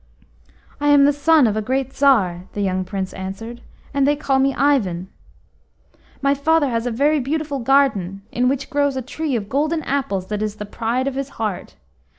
"I am the son of a great Tsar," the young Prince answered, "and they call me Ivan. My father has a very beautiful garden, in which grows a tree of golden apples that is the pride of his heart.